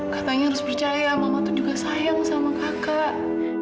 katanya harus percaya mama itu juga sayang sama kakak